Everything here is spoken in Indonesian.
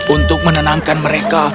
untuk menenangkan mereka